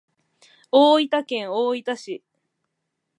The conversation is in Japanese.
大分県大分市